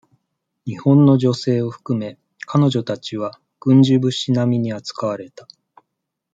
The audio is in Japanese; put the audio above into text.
日本の女性を含め、彼女たちは、軍需物資なみに扱われた。